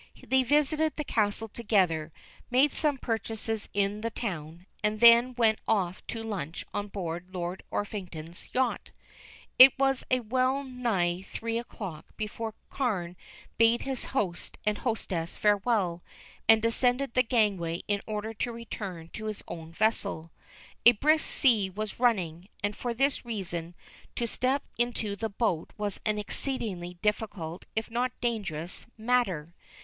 They visited the Castle together, made some purchases in the town, and then went off to lunch on board Lord Orpington's yacht. It was well nigh three o'clock before Carne bade his host and hostess farewell, and descended the gangway in order to return to his own vessel. A brisk sea was running, and for this reason to step into the boat was an exceedingly difficult if not a dangerous, matter.